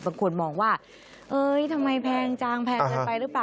บางคนมองว่าเอ้ยทำไมแพงจังแพงเกินไปหรือเปล่า